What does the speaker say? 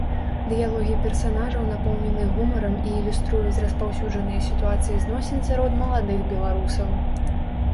Дыялогі персанажаў напоўнены гумарам і ілюструюць распаўсюджаныя сітуацыі зносін сярод маладых беларусаў.